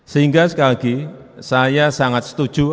sehingga sekali lagi saya sangat setuju